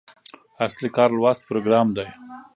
اصلي کار لوست پروګرام دی.